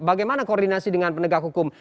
bagaimana koordinasi dengan penegak hukum